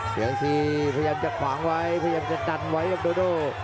เสียงทีพยายามจะขวางไว้พยายามจะดันไว้กับโดโด